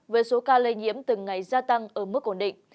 với số ca lây nhiễm từng ngày gia tăng ở mức ổn định